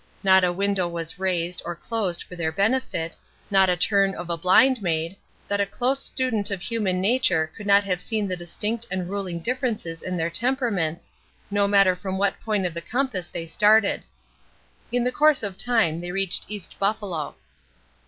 Not a window was raised or closed for their benefit, not a turn of a blind made, that a close student of human nature could not have seen the distinct and ruling differences in their temperaments, no matter from what point of the compass they started. In the course of time they reached East Buffalo.